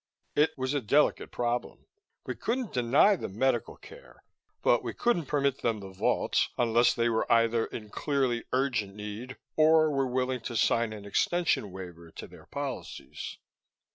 It was a delicate problem; we couldn't deny them medical care, but we couldn't permit them the vaults unless they were either in clearly urgent need, or were willing to sign an extension waiver to their policies....